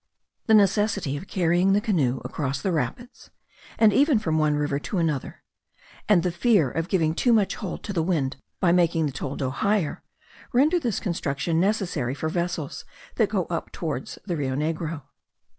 The necessity of carrying the canoe across the rapids, and even from one river to another; and the fear of giving too much hold to the wind, by making the toldo higher, render this construction necessary for vessels that go up towards the Rio Negro.